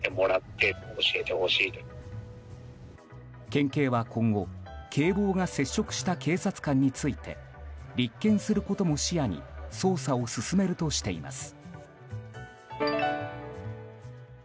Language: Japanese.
県警は今後警棒が接触した警察官について立件することも視野に捜査を進めるとしています。